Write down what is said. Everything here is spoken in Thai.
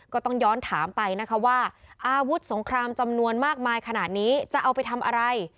ก็ต้องย้อนถามไปนะคะว่าอาวุธสงครามจำนวนมากมายขนาดนี้จะเอาไปทำอะไร